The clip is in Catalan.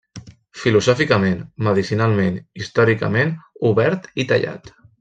Filosòficament, medicinalment, històricament, obert i tallat.